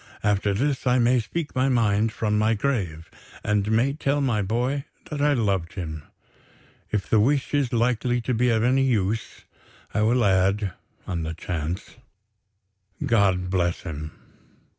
After this, I may speak my mind from my grave, and may tell my boy that I loved him. If the wish is likely to be of any use, I will add (on the chance) God bless him."